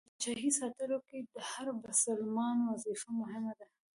د پاچایۍ ساتلو کې د هر بسلمان وظیفه مهمه ده.